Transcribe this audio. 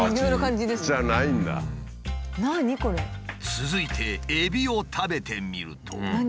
続いてエビを食べてみると。